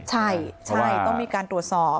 ใช่ต้องมีการตรวจสอบ